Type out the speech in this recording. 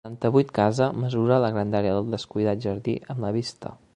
Setanta-vuit casa mesura la grandària del descuidat jardí amb la vista.